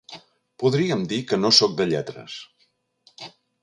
Podríem dir que no soc de lletres.